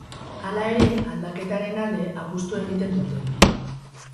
Hala ere, aldaketaren alde apustu egiten dute.